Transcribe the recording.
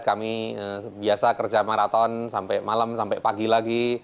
kami biasa kerja maraton sampai malam sampai pagi lagi